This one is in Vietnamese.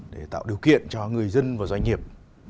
để tạo điều kiện cho người dân và doanh nghiệp